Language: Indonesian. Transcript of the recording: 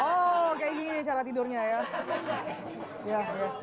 oh kayak gini cara tidurnya ya